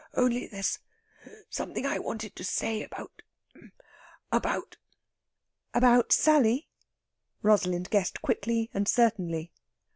Only there's something I wanted to say about ... about...." "About Sally?" Rosalind guessed quickly, and certainly.